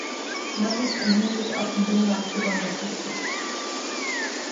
Das ist im Hinblick auf den Binnenmarkt besonders wichtig.